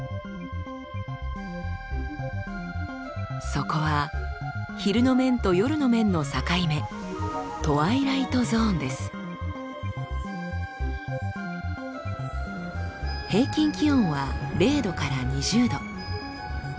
そこは昼の面と夜の面の境目平均気温は０℃から２０℃。